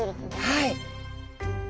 はい。